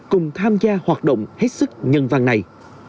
cùng tham gia hoạt động hết sức nhân văn này